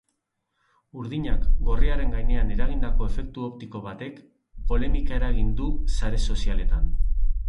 Urdinak gorriaren gainean eragindako efektu optiko batek polemika eragin du sare sozialetan.